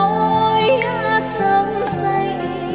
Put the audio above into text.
môi á sống say